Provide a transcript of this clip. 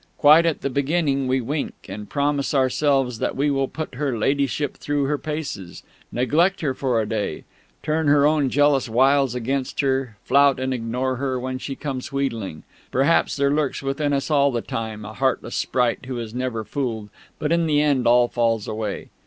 Quite at the beginning we wink, and promise ourselves that we will put Her Ladyship through her paces, neglect her for a day, turn her own jealous wiles against her, flout and ignore her when she comes wheedling; perhaps there lurks within us all the time a heartless sprite who is never fooled; but in the end all falls away.